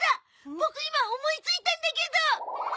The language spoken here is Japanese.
ボク今思いついたんだけど。